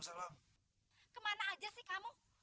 kemana aja sih kamu